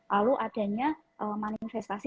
lalu adanya manifestasi